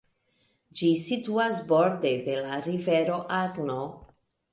Ĝi situas borde de la rivero Arno.